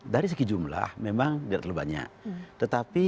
dari segi jumlah memang tidak terlalu banyak